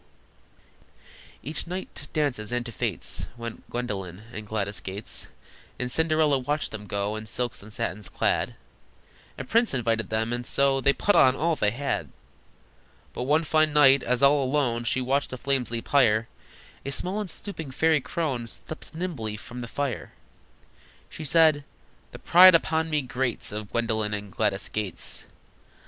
Each night to dances and to fêtes Went Gwendolyn and Gladys Gates, And Cinderella watched them go In silks and satins clad: A prince invited them, and so They put on all they had! But one fine night, as all alone She watched the flames leap higher, A small and stooping fairy crone Stept nimbly from the fire. Said she: "The pride upon me grates Of Gwendolyn and Gladys Gates."